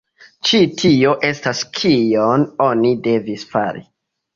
Ĉi tio estas kion oni devis fari.